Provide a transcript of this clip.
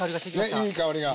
ねいい香りが。